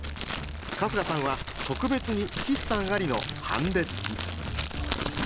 春日さんは特別に筆算ありのハンディつき。